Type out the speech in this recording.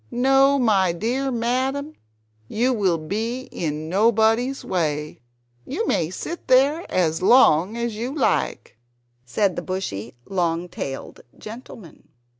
No, my dear madam, you will be in nobody's way. You may sit there as long as you like," said the bushy long tailed gentleman.